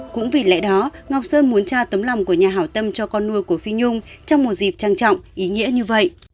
cũng vì lẽ đó ngọc sơn muốn tra tấm lòng của nhà hảo tâm cho con nuôi của phi nhung trong một dịp trang trọng ý nghĩa như vậy